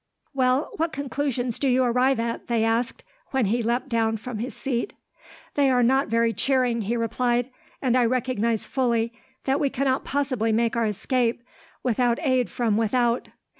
"Well, what conclusions do you arrive at?" they asked, when he leapt down from his seat. "They are not very cheering," he replied, "and I recognize fully that we cannot possibly make our escape, without aid from without."